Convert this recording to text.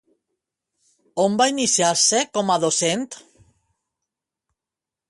On va iniciar-se com a docent?